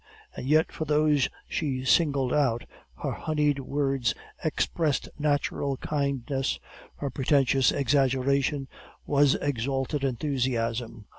And yet for those she singled out, her honeyed words expressed natural kindness, her pretentious exaggeration was exalted enthusiasm.